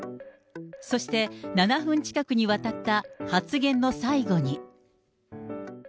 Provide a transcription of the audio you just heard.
そして７分近くにわたった発言の最後に。